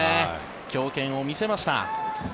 強肩を見せました。